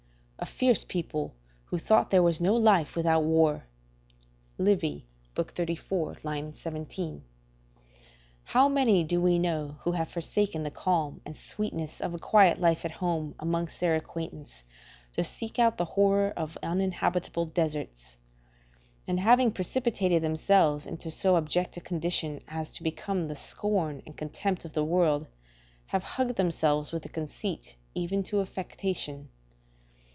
["A fierce people, who thought there was no life without war." Livy, xxxiv. 17.] How many do we know who have forsaken the calm and sweetness of a quiet life at home amongst their acquaintance, to seek out the horror of unhabitable deserts; and having precipitated themselves into so abject a condition as to become the scorn and contempt of the world, have hugged themselves with the conceit, even to affectation.